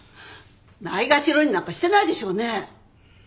ないがしろになんかしてないでしょうね。